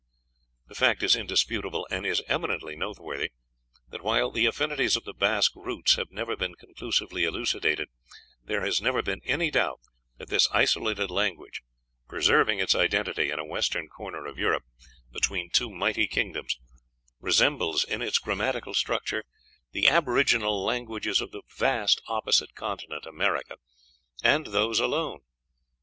The fact is indisputable, and is eminently noteworthy, that while the affinities of the Basque roots have never been conclusively elucidated, there has never been any doubt that this isolated language, preserving its identity in a western corner of Europe, between two mighty kingdoms, resembles, in its grammatical structure, the aboriginal languages of the vast opposite continent (America), and those alone."